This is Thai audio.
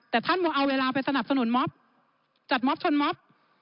แต่ท่านมาเอาเวลาไปสนับสนุนม็อบจัดม็อบชนม็อบ